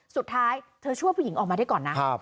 สุดท้ายเธอช่วยผู้หญิงออกมาได้ก่อนนะ